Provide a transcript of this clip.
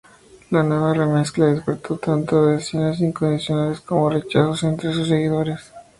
La nueva remezcla despertó tanto adhesiones incondicionales como rechazos entre sus seguidores.